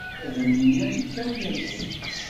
Ad am iniɣ yekkaw yiẓi.